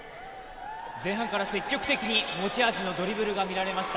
前半から積極的に持ち味のドリブルが見られました。